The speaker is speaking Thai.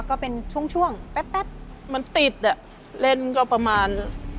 เขาเป็นอย่างไรเวลาเขามาถวงเงิน